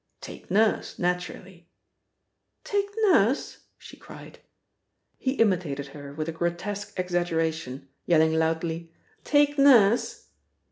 "Take Nurse, naturally." "Take Nurse?" she cried. He imitated her with a grotesque exaggeration, yelling loudly, "Take Nurse?"